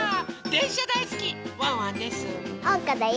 でんしゃだいすきワンワンです！